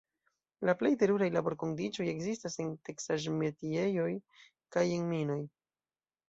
La plej teruraj laborkondiĉoj ekzistas en teksaĵ-metiejoj kaj en minoj.